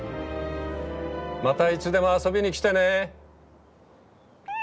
またいつでも遊びに来てね！